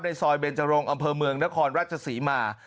ซอยเบนจรงอำเภอเมืองนครราชศรีมา